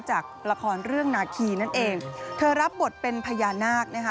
จากละครเรื่องนาคีนั่นเองเธอรับบทเป็นพญานาคนะคะ